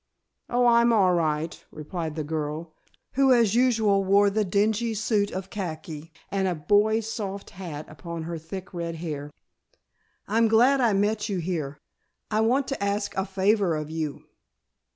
"Oh, I'm all right," replied the girl, who as usual wore the dingy suit of khaki, and a boy's soft hat upon her thick red hair. "I'm glad I met you here. I want to ask a favor of you."